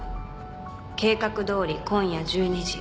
「計画どおり今夜１２時。